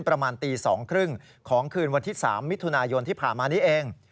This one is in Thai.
ประมาณตีสองครึ่งของคืนวันที่สามมิถุนายนที่ผ่านมานี้เอง